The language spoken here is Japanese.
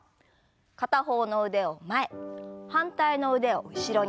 片方の腕を前反対の腕を後ろに。